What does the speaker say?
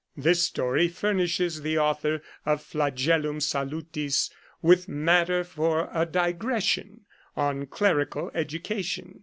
This story furnishes the author of Flagellum Salutis with matter for a digression on clerical edu cation.